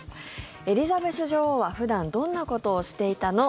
エリザベス女王は普段どんなことをしていたの？